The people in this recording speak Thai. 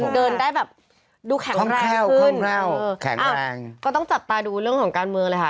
เดินได้แบบดูแข็งแรงขึ้นก็ต้องจับตาดูเรื่องของการเมืองเลยค่ะ